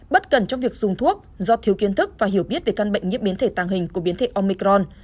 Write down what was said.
bất cần trong việc dùng thuốc do thiếu kiến thức và hiểu biết về căn bệnh nhiễm biến thể tàng hình của biến thể omicron